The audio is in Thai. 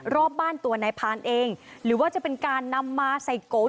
รอบบ้านตัวนายพานเองหรือว่าจะเป็นการนำมาใส่โกน